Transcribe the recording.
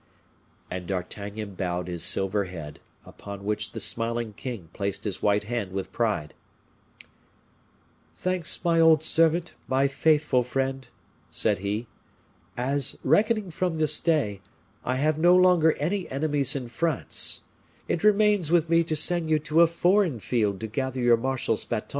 And D'Artagnan bowed his silver head, upon which the smiling king placed his white hand with pride. "Thanks, my old servant, my faithful friend," said he. "As, reckoning from this day, I have no longer any enemies in France, it remains with me to send you to a foreign field to gather your marshal's baton.